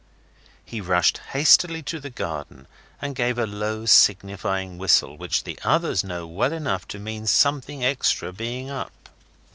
He rushed hastily to the garden and gave a low, signifying whistle, which the others know well enough to mean something extra being up.